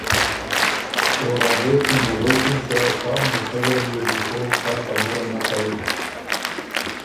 او رابوت کی ن بُو غوېکِن که سا موقع زر يې بو کوک سا خبُره نک کوِن